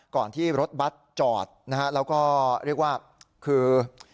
ก่อนที่รถบัตรจอดนะฮะแล้วก็เรียกว่าคือ